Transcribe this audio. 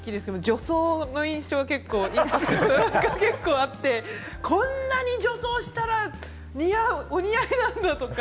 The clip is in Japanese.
女装のイメージがあって、こんなに女装したらお似合いなんだとか。